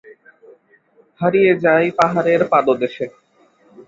হারিয়ে যাই পাহাড়ের পাদদেশে।